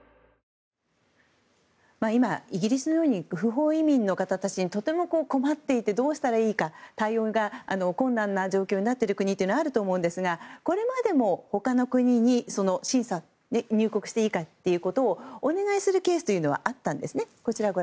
今、イギリスのように不法移民の方たちにとても困っていてどうしたらいいか対応が困難な状況になってる国もあると思うんですがこれまでも他の国に、審査入国していいかお願いするケースはあったんですね。